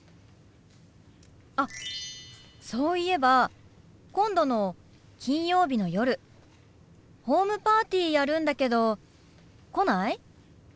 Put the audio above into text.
あっそういえば今度の金曜日の夜ホームパーティーやるんだけど来ない？